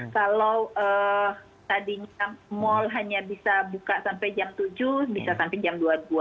kalau tadinya mall hanya bisa buka sampai jam tujuh bisa sampai jam dua puluh dua